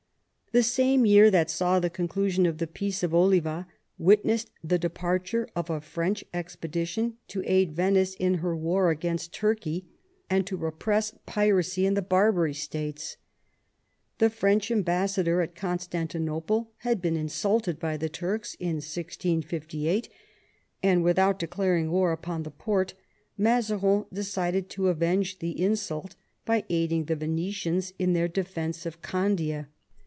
The same year that saw the conclusion of the Peace of Oliva witnessed the departure of a French expedition to aid Venice in her war against Turkey, and to repress piracy in the Barbary States. The French ambassador at Constantinople had been insulted by the Turks in 1658, and without declaring wai: upon The Porte, Mazarin decided to avenge the insult by aiding the Venetians in their defence of Candia.